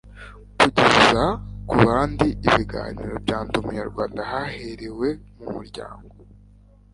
kugeza ku bandi ibiganiro bya ndi umunyarwanda haherewe mu muryango